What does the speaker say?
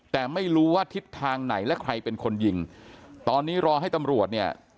แต่ไม่รู้ว่าทิศทางไหนและใครเป็นคนยิงตอนนี้รอให้ตำรวจเนี่ย